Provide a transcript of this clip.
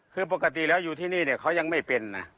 คือปกติแล้วอยู่ที่นี่เขายังไม่เป็น